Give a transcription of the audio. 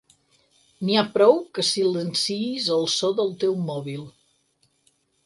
N'hi ha prou que silenciïs el so del teu mòbil.